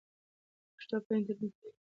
پښتو به په انټرنیټي نړۍ کې وځلیږي.